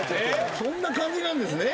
そんな感じなんですね。